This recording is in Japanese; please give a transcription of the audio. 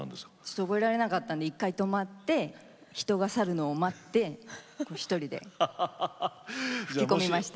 覚えられなかったんで一回止まって人が去るのを待って一人で吹き込みました。